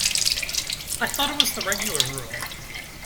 I thought it was the regular rule.